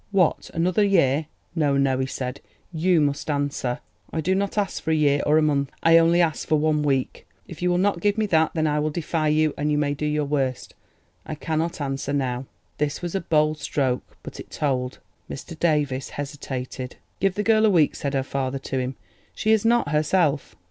"What, another year? No, no," he said. "You must answer." "I do not ask a year or a month. I only ask for one week. If you will not give me that, then I will defy you, and you may do your worst. I cannot answer now." This was a bold stroke, but it told. Mr. Davies hesitated. "Give the girl a week," said her father to him. "She is not herself."